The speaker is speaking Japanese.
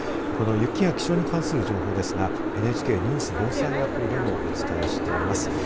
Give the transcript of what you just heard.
この雪や気象に関する情報ですがＮＨＫニュース・防災アプリでもお伝えしています。